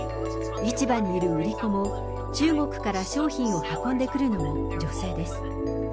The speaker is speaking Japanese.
市場にいる売り子も、中国から商品を運んでくるのも、女性です。